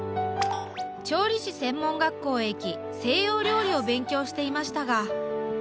調理師専門学校へ行き西洋料理を勉強していましたが。